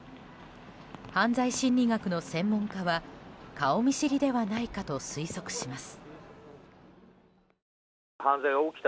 犯罪心理学の専門家は顔見知りではないかと推測します。